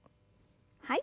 はい。